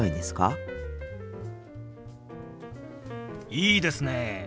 いいですね！